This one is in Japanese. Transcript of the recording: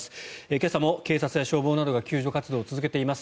今朝も警察や消防などが救助活動を続けています。